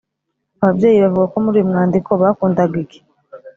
Ababyeyi bavuga ko muri uyu mwandiko bakundaga iki?